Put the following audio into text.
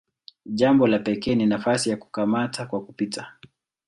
Jambo la pekee ni nafasi ya "kukamata kwa kupita".